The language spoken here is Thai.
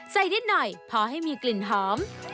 นิดหน่อยพอให้มีกลิ่นหอม